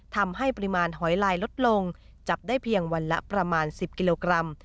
ทำให้ปริมาณหอยลายลดลงจับได้เพียงวันละประมาณ๑๐กิโลกรัม